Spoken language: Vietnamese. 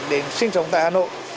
để sinh sống tại hà nội